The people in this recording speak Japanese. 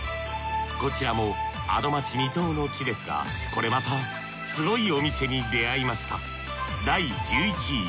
こちらも「アド街」未踏の地ですがこれまたすごいお店に出会いました